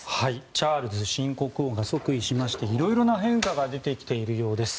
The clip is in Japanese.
チャールズ新国王が即位しまして色々な変化が出てきているようです。